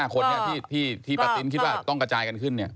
๕คนเนี่ยที่ประตินท์คิดว่าต้องกระจายกันขึ้นเนี่ย